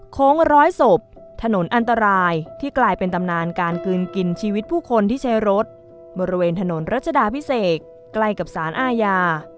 โค้งร้อยศพถนนอันตรายที่กลายเป็นตำนานการกลืนกินชีวิตผู้คนที่ใช้รถบริเวณถนนรัชดาพิเศษใกล้กับสารอาญา